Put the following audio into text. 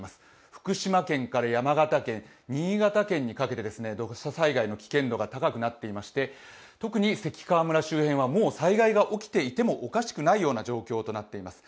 福島県から山形県、新潟県にかけて土砂災害の危険度が高くなっていまして、特に関川村周辺はもう災害が起きていてもおかしくないような状況となっています。